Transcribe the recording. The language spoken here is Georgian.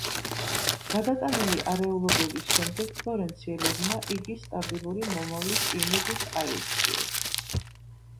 გადატანილი არეულობების შემდეგ, ფლორენციელებმა იგი სტაბილური მომავლის იმედით აირჩიეს.